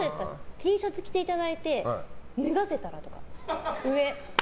Ｔシャツ着ていただいて脱がせたらとか、上。